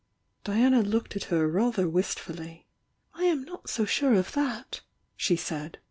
Diana loked at her rather wistfully I am not so sure of that!" she said.